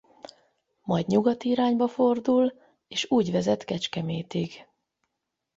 Majd nyugati irányba fordul és úgy vezet Kecskemétig.